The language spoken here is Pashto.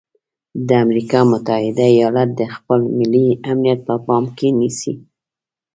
د امریکا متحده ایالات د خپل ملي امنیت په پام کې نیسي.